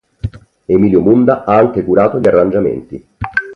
Emilio Munda ha anche curato gli arrangiamenti.